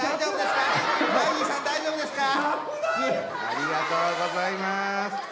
ありがとうございます。